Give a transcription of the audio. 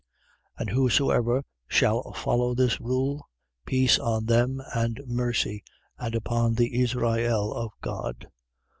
6:16. And whosoever shall follow this rule, peace on them and mercy: and upon the Israel of God.